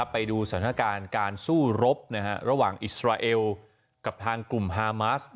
ไปดูสถานการณ์การสู้รบระหว่างอิสราเอลกับทางกลุ่มฮามาส